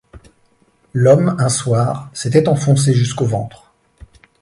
L’homme, un soir, s’était enfoncé jusqu’au ventre.